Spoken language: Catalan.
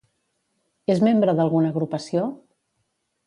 És membre d'alguna agrupació?